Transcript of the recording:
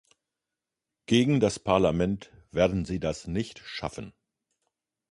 Gegen das Parlament werden Sie das nicht schaffen.